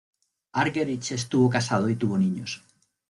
Argerich estuvo casado y tuvo niños.